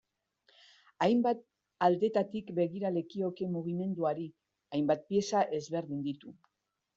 Hainbat aldetatik begira lekioke mugimenduari, hainbat pieza ezberdin ditu.